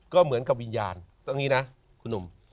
ก็เหมือนกับวิญญาณตรงนี้นะคุณหนุ่ม